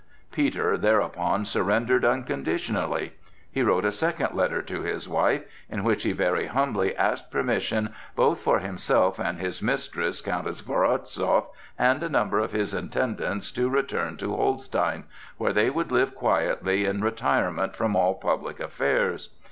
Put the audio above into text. Peter thereupon surrendered unconditionally. He wrote a second letter to his wife, in which he very humbly asked permission both for himself and his mistress, Countess Woronzow, and a number of his attendants to return to Holstein, where they would live quietly in retirement from all public affairs.